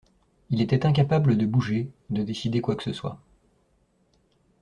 Il était incapable de bouger, de décider quoi que ce soit.